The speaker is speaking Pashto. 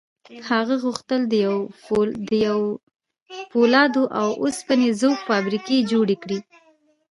هغه غوښتل د پولادو او اوسپنې ذوب فابریکې جوړې کړي